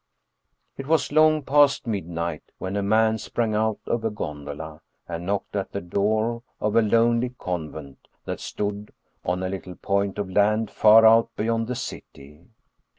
It was long past midnight when a man sprang out of a gondola and knocked at the door of a lonely convent that stood on a little point of land far out beyond the city.